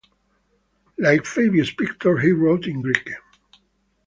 Like Fabius Pictor, he wrote in Greek.